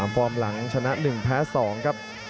ฟอร์มหลังชนะ๑แพ้๒ครับ